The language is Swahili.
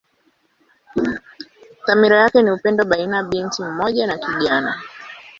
Dhamira yake ni upendo baina binti mmoja na kijana.